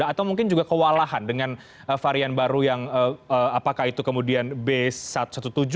atau mungkin juga kewalahan dengan varian baru yang apakah itu kemudian b saling berhasil